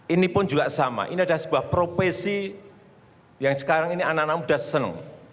ini pun juga sama ini adalah sebuah profesi yang sekarang ini anak anak muda senang